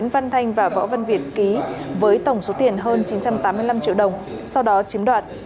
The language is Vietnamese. văn thanh và võ văn việt ký với tổng số tiền hơn chín trăm tám mươi năm triệu đồng sau đó chiếm đoạt